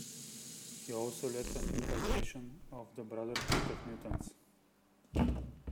He also led an incarnation of the Brotherhood of Mutants.